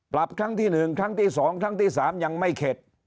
ครั้งที่๑ครั้งที่๒ครั้งที่๓ยังไม่เข็ด